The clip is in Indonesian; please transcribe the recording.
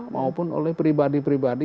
maupun oleh pribadi pribadi